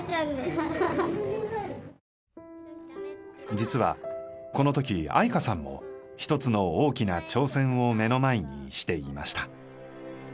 実はこのとき愛華さんも一つの大きな挑戦を目の前にしていました。